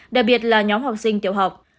đặc biệt là nhóm học sinh tiêu học